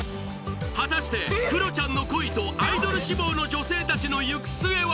果たしてクロちゃんの恋とアイドル志望の女性たちの行く末は？